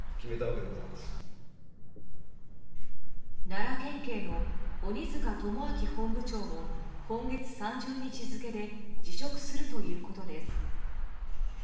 奈良県警の鬼塚友章本部長も今月３０日付で辞職するということです。